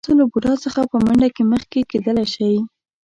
تاسو له بوډا څخه په منډه کې مخکې کېدلی شئ.